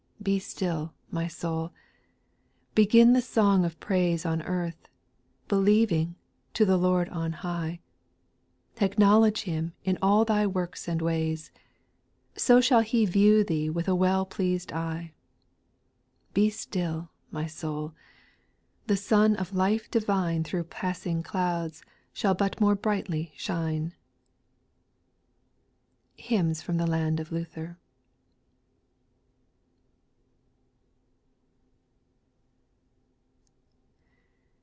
6. Be still, my soul I begin the song of praise On earth, believing, to the Lord on high ; Acknowledge Ilim in all thy works and ways, So shall He view thee with a well pleas'd eye. Be still, my soul I the sun of life divine Thro' passing clouds shall but more brightly shine. HYMNS FIIOM THE LAND OF LUTHER.